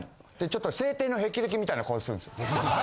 ちょっと晴天の霹靂みたいな顔するんですよ。